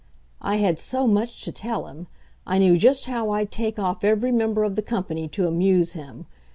I had so much to tell him. I knew just how I'd take off every member of the company to amuse him.